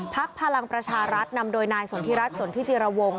พลังประชารัฐนำโดยนายสนทิรัฐสนทิจิรวงศ